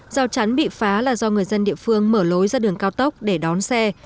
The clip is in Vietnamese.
rào chắn bị phá là do người dân địa phương mở lối ra đường cao tốc để đón xe